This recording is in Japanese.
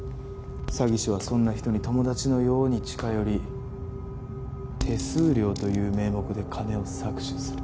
詐欺師はそんな人に友達のように近寄り手数料という名目で金を搾取する。